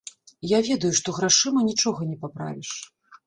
Я ведаю, што грашыма нічога не паправіш.